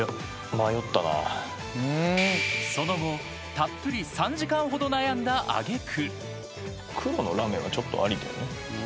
［その後たっぷり３時間ほど悩んだ揚げ句］